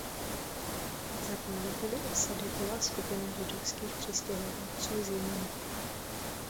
Zakladateli osady byla skupina židovských přistěhovalců z Jemenu.